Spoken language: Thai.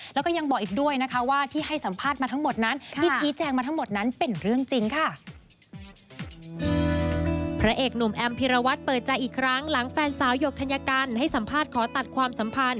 แล้วก็อีกด้วยนะค่ะว่าที่ให้สัมภาษณ์